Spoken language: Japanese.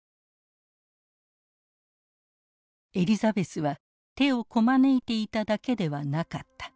エリザベスは手をこまねいていただけではなかった。